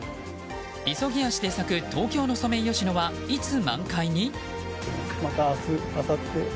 急ぎ足で咲く東京のソメイヨシノはいつ満開に？